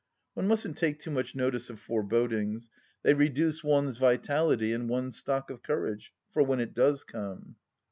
One mustn't take too much notice of forebodings; they reduce one's vitality and one's stock of courage — for when it does come.